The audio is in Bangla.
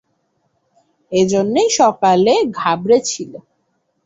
এজন্যেই সকালে ঘাবড়ে ছিল।